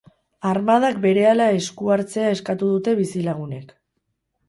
Armadak berehala esku hartzea eskatu dute bizilagunek.